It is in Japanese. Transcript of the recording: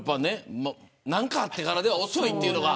何かあってからでは遅いというのが。